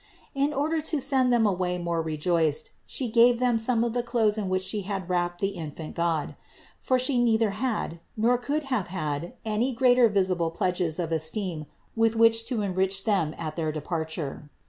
In order to send them away more rejoiced, She gave them some of the clothes in which She had wrapped the infant God; for She neither had nor could have had any greater visible pledges of esteem with which to enrich them at their departure.